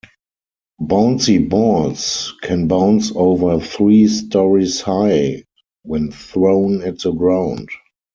Bouncy balls can bounce over three stories high when thrown at the ground.